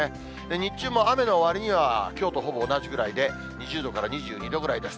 日中も雨のわりには、きょうとほぼ同じぐらいで、２０度から２２度くらいです。